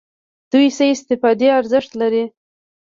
دوی څه اقتصادي ارزښت لري.